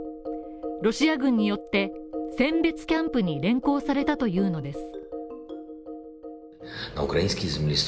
ロシア軍によって選別キャンプに連行されたというのです。